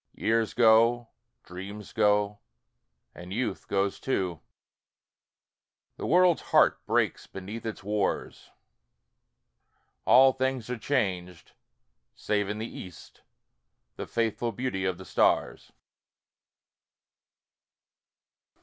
Years go, dreams go, and youth goes too, The world's heart breaks beneath its wars, All things are changed, save in the east The faithful beauty of the stars.